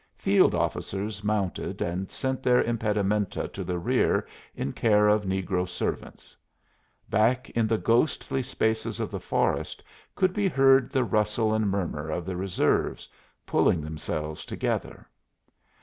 Field officers mounted and sent their impedimenta to the rear in care of negro servants. Back in the ghostly spaces of the forest could be heard the rustle and murmur of the reserves, pulling themselves together.